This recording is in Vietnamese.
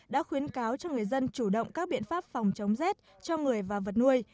đã khuyến cáo cho người dân chủ động các biện pháp phòng chống rét cho người và vật nuôi